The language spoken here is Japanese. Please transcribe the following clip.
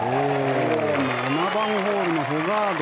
７番ホールのホガード